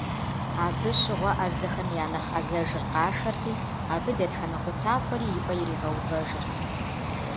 Абы щыгъуэ ӏэзэхэм я нэхъ ӏэзэжыр къашэрти, абы дэтхэнэ къутахуэри и пӏэ иригъэувэжырт.